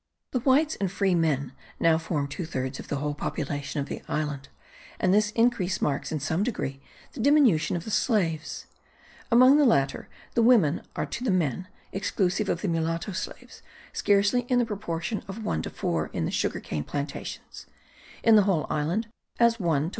The whites and free men now form two thirds of the whole population of the island, and this increase marks in some degree the diminution of the slaves. Among the latter, the women are to the men (exclusive of the mulatto slaves), scarcely in the proportion of 1 : 4, in the sugar cane plantations; in the whole island, as 1 : 1.